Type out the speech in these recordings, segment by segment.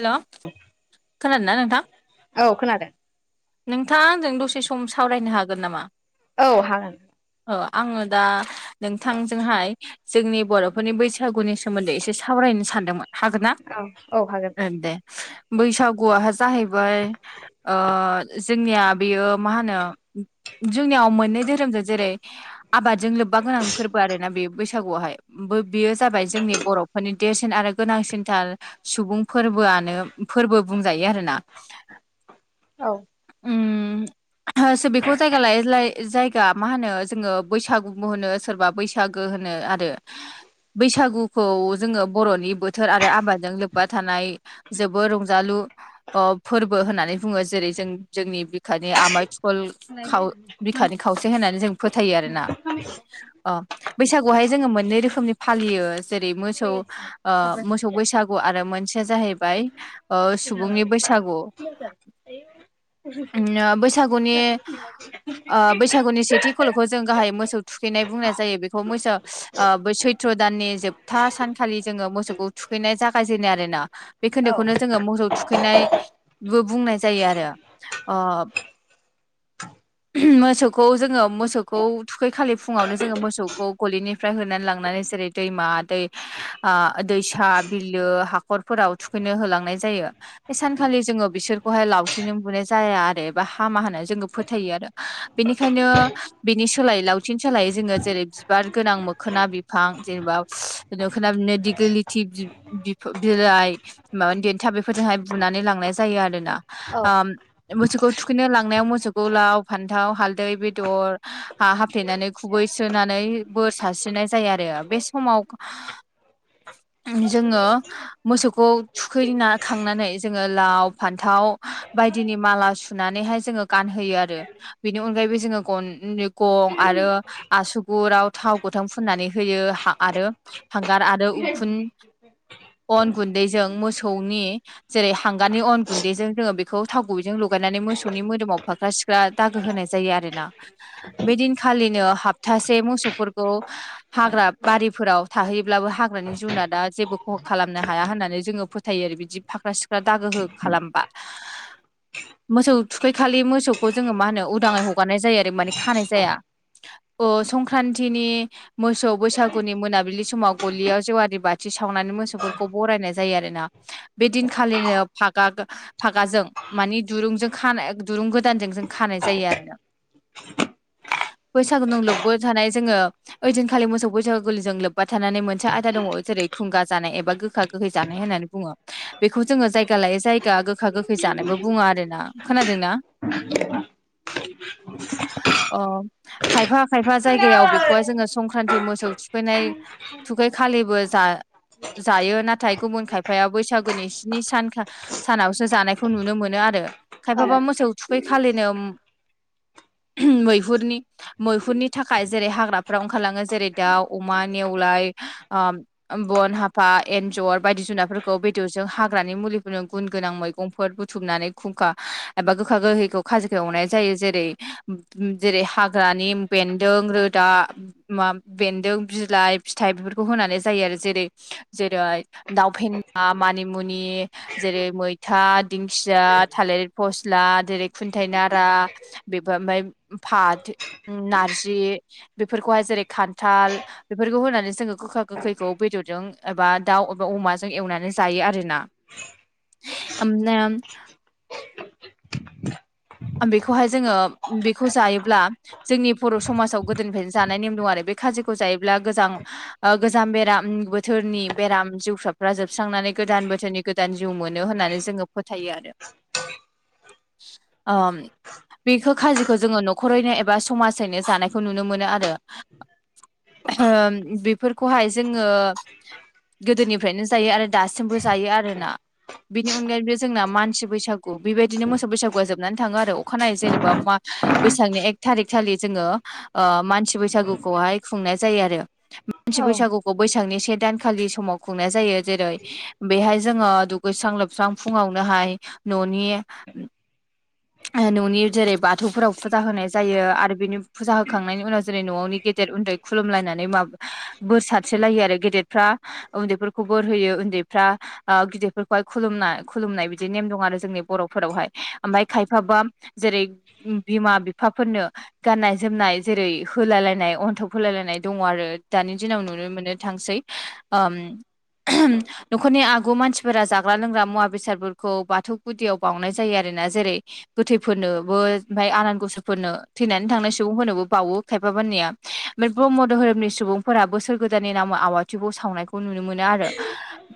हेल' खोनादोंना नोंथां? औ खोनादों। नोंथांङा आंजों दसे सम सावरायनो हागोन नामा? औ हागोन। औ आंङो दा नोंथांजोंहाय जोंनि बर'फोरनि बैसागुनि सोमोन्दै एसे सावरायनो सानदोंमोन। हागोन ना औ औ हागोन ओं दे बैसागुआ जाहैबाय ओ जोंनिया बेयो मा होनो जोंनियाव मोननै धोरोमजों जेरै आबादजों लोब्बा गोनां फोरबो आरोना बे बैसागुआवहाय बेयो जाबाय जोंनि बर'फोरनि देरसिन आरो गोनांसिनथार सुबुं फोरबोआनो फोरबो बुंजायो आरोना। औ। ओम [unintelligible] बेखौ जायगा लायै लायै जायगा मा होनो जोंङो बैसागुबो होनो सोरबा बैसागो होनो आरो। बैसागुखौ जोंङो बर'नि बोथोर आरो आबादजों लोब्बा थानाय जोबोद रंजालु ओ फोरबो होननानै बुङो जेरै जों जोंनि बिखानि आमाय थुखुल खाव बिखानि खावसे होननानै जों फोथायो आरोना। अ बैसागुआवहाय जोंङो मोननै रोखोमनि फालियो जेरै मोसौ ओ मोसौ बैसागु आरो मोनसेया जाहैबाय ओ सुबुंनि बैसागु। ओमनो बैसागुनि ओ बैसागुनि सेथि खल'खौ जों गाहायै मोसौ थुखैनाय बुंनाय जायो बेखौ मोसोआ ओ बै सैथ्र' दाननि जोब था सानखालि जोंङो मोसौखौ थुखैनाय जागायजेनो आरोना। बे खोन्दोखौनो जोंङो मोसौ थुखैनाय बो बुंनाय जायो आरो ओ मोसौ खौ जोंङो मोसौखौ थुखै खालि फुङावनो जोंङो मोसौखौ गलिनिफ्राय होनानै लांनानै जेरै दैमा दै ओ दैसा बिलो हाखरफोराव थुखैनो होलांनाय जायो। बे सानखालि जोंङो बिसोरखौहाय लावथिजों बुनाय जाया आरो एबा हामा होननानै जोंङो फोथायो आरो। बेनिखायनो बिनि सोलायै लावथिनि सोलायै जोंङो जेरै बिबार गोनां मोखोना बि बिफां जेनेबा मोखोना बिदिनो दिगलिलिथि बिफ बिलाइ माबानि देन्था बेफोरजोंहाय बुनानै लांनाय जायो आरोना। औ ओ मोसौखौ थुखैनो लांनायाव मोसौखौ लाव फान्थाव हालदै बेदर हा हाफ्लेनानै खुबैसोनानै बोर सारस्रिनाय जायो आरो बे समाव जोंङो मोसौखौ थुखैना खांनानै जोंङो लाव फान्थाव बायदिनि माला सु नानैहाय जोंङो गानहोयो आरो बेनि अनगायैबो जोंङो गन गं आरो आसुगुराव थाव गोथां फुननानै होयो आरो हांगार आरो उखुन अन गुन्दैजों मोसौनि। जेरै हांगारानि अन गुन्दैजों जोङो बेखौ थाव गुबैजों लगायनानै मोसौनि मोदोमाव फाख्रा सिख्रा। दागो होनाय जायो आरोना बे दिनखालिनो हप्तासे मोसौफोरखौ। हाग्रा बारिफोराव थाहैयोब्लाबो हाग्रानि जुनाद दा जेबो खहा खालामनो हाया होननानै जोङो फो। थायो आरो बिदि फाख्रा सिख्रा दागो हो खालामबा मोसौ थुखैखालि मोसौखौ जोङो मा होनो उदाङै हगारनाय जायो आरो माने खानाय जाया अ संक्रान्तिनि। मोसौ बैसागुनि मोनाबिलि समाव गलियाव जेवारि बाथि सावनानै मोसौफोरखौ बरायनाय जायो आरोना। बे दिनखालिनो फागा फागाजों मानिे दुरुंजों खानाय दुरुं गोदानजों जों खानाय जायो आरो बैसागु लोबबो थानाय जोङो। ओइ दिनखालि मोसौ बैसाग गलिजों लोब्बा थानानै मोनसे आदा दङ जेरै खुंगा जानाय एबा गोखा गोग। गोखै जानाय होननानै बुङो बेखौ जोङो जायगा लायोै जायगा गोखा गोखै जानायबो बुङो आरो ना खोनादों ना [unintelligible] अ खायफा खायफा जायगायाव बेखौहाय जोङो संक्रान्ति मोसौ थुखैनाय। थुखै खालिबो जा। जायो नाथाय गुबुन खायफाया बैसागोनि स्नि सानखा सानावसो जानायखौ नुनो मोनो आरो खायफाबा मोसौ थुखै खालिनो मैहुरनि मैहुरनि थाखाय जेरै हाग्राफोराव ओंखारलाङो जेरै दाउ अमा नेवलाय बन हाफा एन्जर बायदि जुनारफोरखौ बेदरजों हाग्रानि मुलिफोरनो गुन गोनां मैगं। मुगंफोर बुथुमनानै खुंखा एबा गोखा गोखै। खाजिखौ एवनाय जायो जेरै जेरै हाग्रानि बेन्दों रोदा। मा बेन्दों बिलाइ फिथाइ बेफोरखौ होनानै जायो आरो जेरै। जेरै दाउ फेन्न्दा मानिमुनि जेरै मैथा, दिंखिया, थालिर फस्ला जेरै खुन्थायाइ नारा बेबो ओमफ्राय फाथो नारजि बेफोरखौहाय जेरै खान्थाल। बेफोरखौ होनानै जोङो गोखा गोखैखौ बेदरजों एबा दाउ एबा अमाजों एवनानै जायो आर ना [unintelligible] बेखौहाय जोंङो बेखौ जायोब्ला जोंनि बर' समाजाव गोदोनिफ्रायनो जानाय नेम दं आरो बे खाजिखौ जायोब्ला गोजां। ओ गोजाम बेराम बोथोरनि बेराम जिउसाफ्रा जोबस्रांनानै गोदान बोथोरनि। गोदान जिउ मोनो होननानै जोङो फोथायो आरो औ बेखौ खाजिखौ जोङो न'खरैनो एबा समाजैनो जानायखौ नुनो मोनो आरो। बेफोरखौहाय जोङो गोदोनिफ्रायनो जायो आरो दासिमबो जायो आरोना बिनि अनगायैबो जोंना मानसि बैसागु बेबायदिनो मोौ बैागु जो हाबनानै थाङो आरो अखानायै जेनेबा मा बैसागनि एक थारिकखालि जोङो ओ मानसि बैसागुखौहाय खुंनाय जायो आरो मानसि औ बैसागुखौ बैसागनि से। दानखालि समाव खुंनाय जायो जेरै बेहाय जोङो दुगैस्रां लोबस्रां फुङावनोहाय न'नि। न'नि जेरै बाथौफोराव फुजा होनाय जायो आरो बेनि फुजा होखांनायनि उनाव जेरै न'आवनि गेदेर उन्दै खुलुमलायनानै माब बोर सारसलायो आरो गेदेरफ्रा उन्दैफोरखौ बोर होयो उन्दैफ्रा। ओ गिदिरफोरखौहाय खुलुमना खुलुमनाय बिदि नेम दं आरो जोंनि बर'फोरावहाय ओमफ्राय। खायफाबा जेरै बिमा बिफाफोरनो। गाननाय जोमनाय जेरै होलाय लायनाय अन्थब होलायलायनाय दङ आरो दानि दिनाव नुनो मोनो थांसै। [unintelligible] न'खरनि आगु मानसिफोरा जाग्रा लोंग्रा मुवा बेसादफोरखौ बाथौ गुदियाव बावनाय जायो आरोोना जेरै गोथैफोरनोबो ओमफाय आनान गसायफोरनो, थैनानै थांनाय सुबुंफोरनोबो बावो खायफा फोरनिया आमफाय ब्रह्म धोरोमनि सुबुंफोरा बोसोर गोदाननि नामाव आवाथिखौ सावनायखौ नुनो मोनो आरो।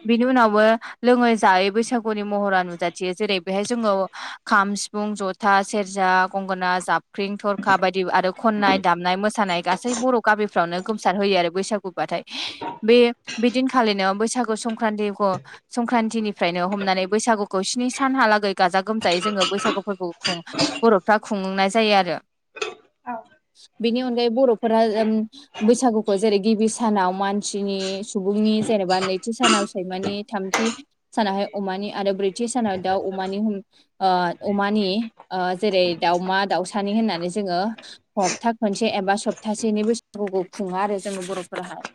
बिनि उनावबो लोङै जायै बैसागुनि महरा नुजाथियो जेरै बेहाय जोङो खाम, सिफुं, जथा, सेरजा, गंगोना, जाबख्रिं, थरखा बायदि आरो खननाय दामनाय मोसानाय गासै बर' गामिफ्रावनो गोमसार होयो आरो बैसागु बाथाय‌। बे बे दिन खालिनो बैसागु संक्रान्तिखौ संक्रान्तिनिफ्रायनो हमनानै बैसागुखौ स्नि सानहालागै गाजा गोम जायै जोङो बैसागु फोरबो खुं बर'फ्रा खुंनाय जायो आरो। बेनि अनगायै बर'फोरा‌ ओम बैसागुखौ जेरै गिबि सानाव मानसिनि सुबुंनि जेनेबा नैथि सानाव सैमानि थामथि सानावहाय अमानि आरो ब्रैथि सानाव दाउ अमानि ओ अमानि ओ जेरै दाउमा दाउसानि होननानै जोङो सप्ता खनसे एबा सप्तासेनि बैसागुखौ खुङो आरो जोंङो बर'फोराहाय।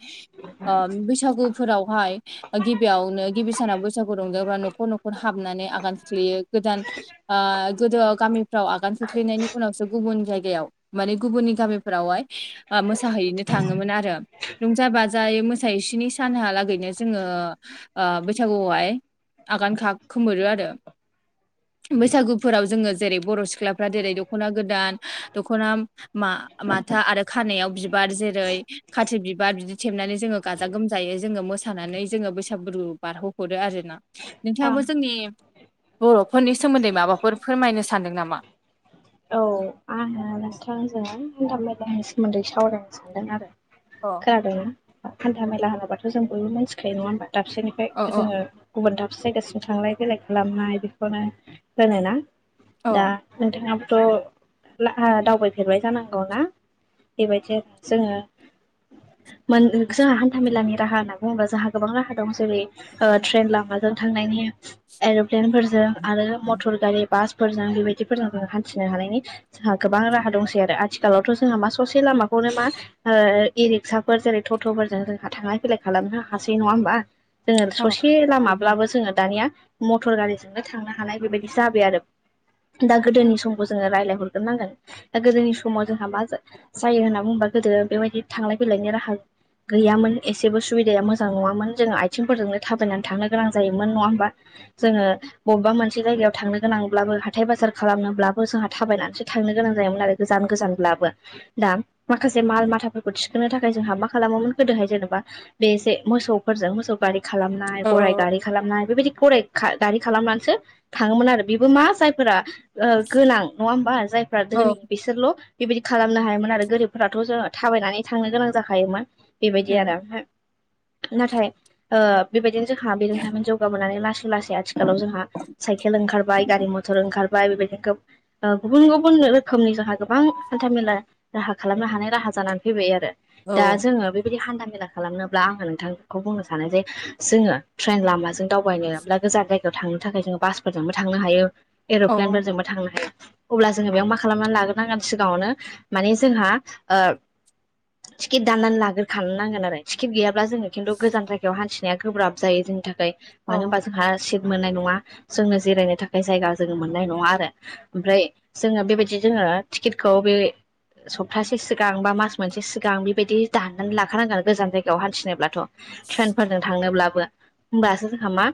ओ बैसागुफोरावहाय गिबियावनो गिबि सानाव बैसागु रंजाबा न'खर न'खर हाबनानै आगान खोख्लैयो, गोदान ओ गोदो गामिफ्राव आगान खोख्लैनायनि उनावसो गुबुन जायगायाव माने गुबुननि गामिफोरावहाय ओ मोसाहैैनो थाङोमोन आरो। रंजा बाजायै मोसायो स्नि सानहालागैनो जोङो ओ बैसागुआवहाय आगान खा खोमोरो आरो। बैसागुफोराव जोङो जेरै बर' सिख्लाफ्रा जेरै दख'ना गोदान दख'ना मा-माथा आरो खानायाव बिबार जेरै खाथ्रि बिबार बिदि थेबनानै जोङो गाजा गोमजायै जोङो मोसानानै जोङो बैसागुुखौ बारहोहरो आरो ना। नोंथाङाबो जोंनि बर'फोरनि सोमोन्दै माबाफोर फोरमायनो सानदों नामा? औ आङो नोंथांजों हान्था मेलानि सोमोन्दै सावरायनो सानदों आरो। अ। जादों, हान्था मेला होनाबाथ' जों बयबो मिथिखायो नङा होनबा अ दाबसेनिफ्राय अ जोङो गुबुन दाबसे जायगासिम थांलाय फैलाय खालामनाय बेखौनो होनोना? औ दा नोंथाङा थ' लाहा दावबायफेरबाय जानांगौ ना? बेबायदि जोङो मोन जोंहा हान्था मेलानि राहा होनना बुङोब्ला जोंहा गोबां राहा दं जेरै ओ ट्रेन लामाजों थांनायनि एर'प्लेनफोरजों आरो मटर गारि बासफोरजों बेबायदिफोरजों जोङो हा हानथिनो हानायनि जोंहा गोबां राहा दंसै आरो आथिखालावथ' जोंहा मा ससे लामाखौनो मा ओ इ रिक्साफोर जेरै ट'टफोरजों जोंहा थांलाय फैलाय खालामनो हासै नङा होमबा। जोङो औ ससे लामाब्लाबो जोङो दानिया मटर गारिजोंनो थांनो हानाय बेबायदि जाबाय आरो। दा गोदोनि सम जोङो रायलायहरग्रोनांगोन। दा गोदोनि समाव जोंहा मा जा-जायो होनना बुंबा गोदो बेबायदि थांलाय फैलायनि राहा गैयामोन एसेबो सुबिदाया मोजां नङामोन जोङो आथिंफोरजोंनो थाबायनानै थांनो गोनां जायोमोन नङा होमबा। जोङो बबेबा मोनसे जायगायाव थांनो गोनांब्लाबो हाथाय बाजार खालामनोब्ला बो जोंहा थाबायनानैसो थांनो गोनां जायोमोन आरो गोजान गोजानब्लाबो। दा माखासे माल माथाफोरखौ थिखोनो थाखाय जोंहा मा खालामोमोन गोदोहाय जेन'बा बे इसे मोसौफोरजों मोसौ गारि खालामनाय औ गराइ गारि खालामनाय बेबायदि गराय खा गारि खालामनानैसो थाङोमोन आरो। बेबो मा जायफोरा ओ गोनां नङा होमबा जायफ्रा औ धोनि बिसोरल' बेबायदि खालामनो हायोमोन आरो गोरिबफोराथ' जोङो थाबायनानै थांनो गोनां जाखायोमोन। बेबायदि आरो। उम ओमफाय नाथाय ओ बेबायदि [unintelligible] जोंहा बिरोंदामिन जौगाबोनानै लासै लासै आथिखालाव जोंहा साइकेल ओंखारबाय, गारि मथर ओंखार बाय बेबायदि गोब ओ गुबुन गुबुन रोखोमनि जोंहा गोबां हान्था मेला राहा खालामनो हानाय राहा जानानै फैबाय आरो। दा औ जोङो बे बिदि हानथा मेला खालामनोब्ला आङो नोंथांखौ बुंनो सानो जे जोङो ट्रेन लामाजों दावबायनोब्ला गोजान जाय ओ थांनो थाखाय जोङो बासफोरजोंबो थांनो हायो औ एर'प्लेनफोरजोंबो थांनो हा अब्ला जोङो बेयाव मा खालामनानै लाग्रोनांगोन सिगाङावनो माने जोंहा ओ [inaudible] टिकिट दाननानै लाग्रोखानांगोन आरो टिकिट गैयाब्ला जोङो खिन्थु गोजान जायगायाव हान्थिनाया गोब्राब जायो जोंनि थाखाय। औ मानो होमबा जोंहा सिट मोननाय नङा जोंनो जिरायनो थाखाय जायगा जोङो मोननाय नङा आरो। ओमफ्राय जोङो बेबायदि जोङो टिकिटखौ बे सप्तासे सिगां बा मास मोनसे सिगां बेबायदि दाननानै लाखानांगोन गोजान जायगायाव हान्थिनोब्लाथ'। ट्रेनफोरजों थांनोब्लाबो होमबासो जोंहा मा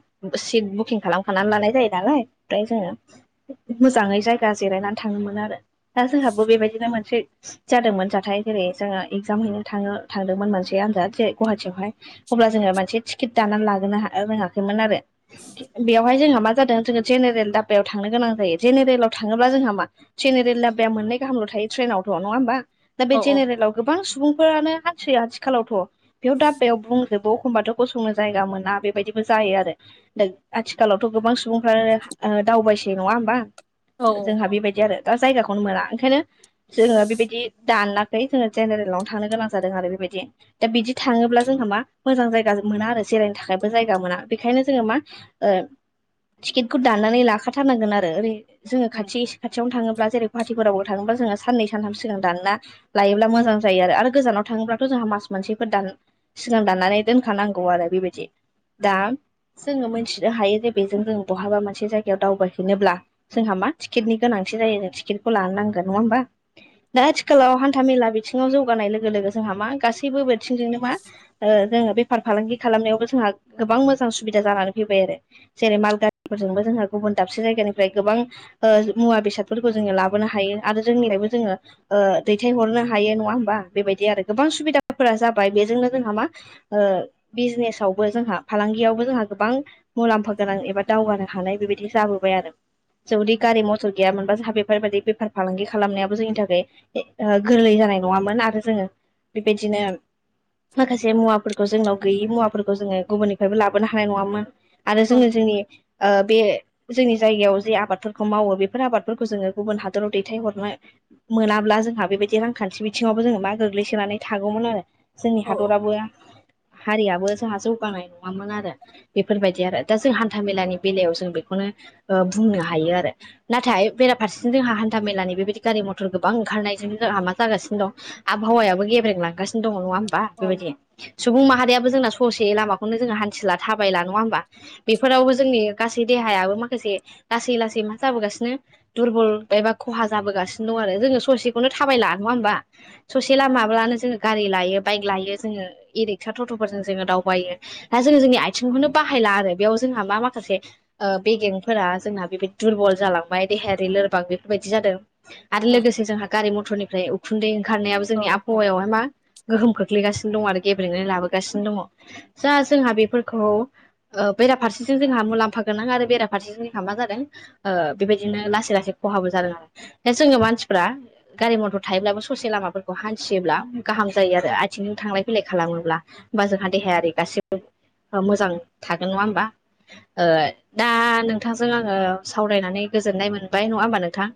सिट बुकिं खालामखानानै लानाय जायो नालाय दायो जोङो मोजाङै जायगा जेरायनानै थाङोमोनो आरो दा जोंहाबो बेबायदिनो मोनसे जादोंमोन जाथाय जेरै जोङो एगजाम हैनो थाङो थांदोंमोन मोनसे आनजाद जे गुवाहाटियावहाय अब्ला जोङो मोनसे टिकिट दानना लाग्रोनो रोङाखैमोन आरो बेवहाय जोंहा मा जादों जोङो जेनेरेल दाब्बायाव थांनो गोनां जायो जेनेरेलाव थाङोबा जोंहा मा जेनेरेल दाब्बाया मोननै गाहामल' थायो ट्रेन आवथ' नङा होमबा दा‌ बे औ ‌जेनेरेलाव गोबां सुबुंफोरानो हाथियो आथिखालावथ बेयाव दाबबायाव बुंजोबो अखमबाथ' गसंनो जायगा मोना बेबायदिबो जायो आरो आथिखालावथ' गोबां सुबुंफ्रा हा ओ दावबायसै नङा होमबा औ जोंहा बेबायदि आरो दा जायगाखौनो मोना ओंखायनो जोङो बिबायदि दानाखै जोङो जेनेरेलावनो थानो गोनां जादों आरो बेबायदि दा बिदि थाङोब्ला जोंहा मा मोजां जायगा मोना आरो जिरायनो थाखायबो जायगा मोना बेखायनो जोङो मा ओ टिकिटखौ दाननानै लाखाथारनांगोन आरो ओरै जोङो खाथि इसे खाथियावनो थाङोब्ला जेरै गुहाटिफोरावबो थाङोब्ला जोङो साननै सानथाम सिगां दान्ना लायोब्ला मोजां जायो आरो आरो गोजानाव थाङोब्लाथ' जोंहा मास मोनसेफोर दान सिगां दानानै दोनखानांगौ आरो बिबायदि दा जोङो मोनथिनो हायो जे बेजों जों बहाबा मोनसे जायगायाव दावबायहैनोब्ला जोंहा मा टिकिटनि गोनांथि जायो जों टिकिटखौ लानो नांगोन नङा होमबा। दा आथिखालाव हान्था मेला बिथिङाव जौगानाय लोगो लोगो जोंहा मा गासैबो बोथिंजोंनो मा ओ जोङो बेफार फालांगि खालामनायावबो जोंहा गोबां मोजां सुबिदा जानानै फैबाय आरो। जेरै माल गारिफोरजोंबो जोंहा गुबुन दाबसे जायगानिफ्राय गोबां ओ मुवा बेसादफोरखौ जोङो लाबोनो हायो आरो जोंनिफ्रायबो जोङो ओ दैथायहरनो हायो नङा होमबा बेबायदि आरो गोबां सुबिदाफोरा जाबाय बेजोंनो जोंहा मा ओ बिजनेसावबो जोंहा फालांगियावबो जोंहा गोबां मुलाम्फा गोनां एबा दावगानो हानाय बेबायदि जाबोबाय आरो जुदि गारि मथर गैयामोनबा जोंहा बेफोरबायदि बेफार फालांगि खालामनायाबो जोंनि थाखाय ए ओ गोरलै जानाय नङामोन आरो जोङो बेबिदिनो माखासे मुवाफोरखौ जोंनाव गैयि मुवाफोरखौ जोङो गुबुननिफायबो लाबोनो हानाय नङामोन आरो जोङो जोंनि ओ बे जोंनि जायगायाव जे आबादफोरखौ मावो बेफोर आबादफोरखौ जोङो गुबुन हादराव दैथायहरनो मोनाब्ला जोंहा बेबायदि रांखान्थि बिथिङावबो जोङो मा गोग्लैसोनानै थागौमोन आरो। जोंनि हादराबो हारियाबो जोंहा जौगानाय नङामोन आरो। बेफोरबायदि आरो दा जों हान्था मेलानि बेलायाव जों बेखौनो ओ बुंनो हायो आरो। नाथाय बेराफारसेथिं जोंहा हान्था मेलानि बेबायदि गारि मथर गोबां ओंखारनायजों जोंहा मा जागासिनो दं। आबहावायाबो गेब्रेंलांगासिनो दङ नङा होमबा औ बेबायदिनो सुबुं माहारियाबो जोंना ससे लामाखौनो जोङो हान्थिला थाबायला नङा होमबा बेफोरावबो जोंनि गासै देहायाबो माखासे लासै लासै मा जाबोगासिनो दुरबल एबा खहा जाबोगासिनो दं आरो जोङो ससेखौनो थाबायला नङा होमबा ससे लामाब्लानो जोङो गारि लायो बाइक लायो जोङो इ रिक्सा ट'ट'फोरजों जोङो दावबायो दा जोङो जोंनि आइथिंखौनो बाहायला आरो बेयाव जोंहा मा माखासे ओ बेगेंफोरा जोंना बेबायदि दुरबल जालांबाय देहायारि लोरबां बेफोरबायदि जादों। आरो लोगोसे जोंहा गारि मथरनिफ्राय उखुन्दै ओंखारनायाबो जोंनि औ औ आबहावायावहाय मा गोहोम खोख्लैगासिनो दङ आरो गेब्रेंनाय लाबोगासिनो दङ। जा जोंहा बेफोरखौ ओ बेराफारसेजों जोंहा मुलाम्फा गोनां आरो बेराफारसेजों जोंहा मा जादों बेबायदिनो ओ लासै लासै खहाबो जादों आरो दा जोंङो मानसिफ्रा गारि मथर थायोब्लाबो ससे लामाफोरखौ हान्थियोब्ला गाहाम जायो आरो आथिंजों थांलाय फैलाय खालामोब्ला। होमबा जोंहा देहायारि गाससिबो मोजां थागोन नंङा होमबा। ओ दा नोंथांजों आङो सावरायनानै गोजोननाय मोनबाय नङा होमबा नोंथां।